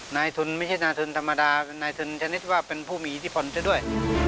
นายทุนไม่ใช่นายทุนธรรมดานายทุนชนิดว่าเป็นผู้มีอิทธิพลซะด้วย